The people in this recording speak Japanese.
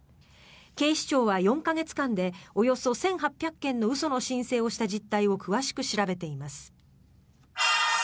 警視庁は４か月間でおよそ１８００件の嘘の申請をした実態を詳しく調べています。